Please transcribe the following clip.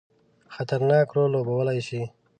خطرناک رول لوبولای شي.